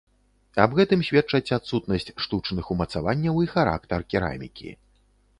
Аб гэтым сведчаць адсутнасць штучных умацаванняў і характар керамікі.